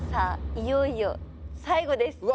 いよいよ最後です。